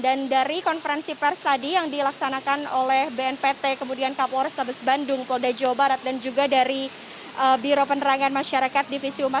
dan dari konferensi pers tadi yang dilaksanakan oleh bnpt kemudian kapolres sabes bandung kolda jawa barat dan juga dari biro penerangan masyarakat divisi umas